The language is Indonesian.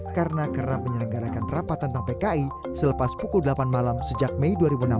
karena kerap menyelenggarakan rapat tentang pki selepas pukul delapan malam sejak mei dua ribu enam belas